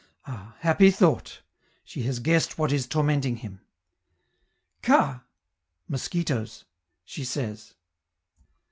Ah, happy thought! she has guessed what is tormenting him: "Ka!" ("mosquitoes") she says.